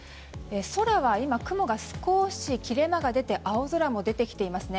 空は今、雲が少し切れ間が出て青空も出てきていますね。